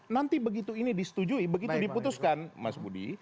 nanti begitu ini disetujui begitu diputuskan mas budi